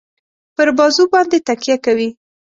پر بازو باندي تکیه کوي.